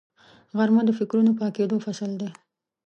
غرمه د فکرونو پاکېدو فصل دی